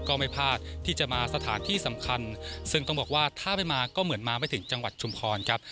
ก็ไม่พลาดที่จะมาสถานที่สำคัญซึ่งต้องบอกว่าถ้าไม่มาก็เหมือนมาไม่ถึงจังหวัดชุมพรครับ